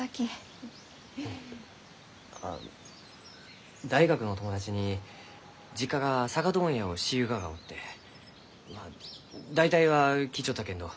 あ大学の友達に実家が酒問屋をしゆうががおってまあ大体は聞いちょったけんど。